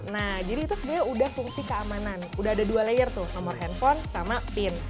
nah jadi itu sebenarnya udah fungsi keamanan udah ada dua layer tuh nomor handphone sama pin